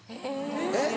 えっ？